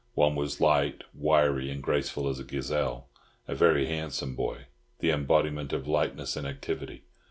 One was light, wiry, and graceful as a gazelle—a very handsome boy, the embodiment of lightness and activity.